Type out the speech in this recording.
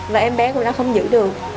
và em bé cũng đã không giữ được